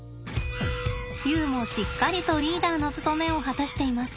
ユウもしっかりとリーダーの務めを果たしています。